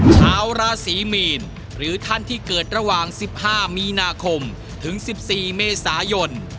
ชาวราศีมีนหรือท่านที่เกิดระหว่าง๑๕มีนาคมถึง๑๔เมษายน